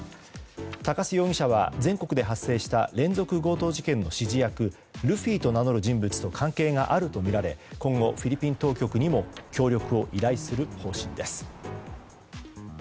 鷹巣容疑者は全国で発生した連続強盗事件の指示役ルフィと名乗る人物と関係があるとみられ今後フィリピン当局にも協力を依頼する方針です。